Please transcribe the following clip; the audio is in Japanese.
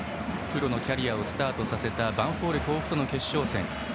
プロのキャリアをスタートさせたヴァンフォーレ甲府との決勝戦。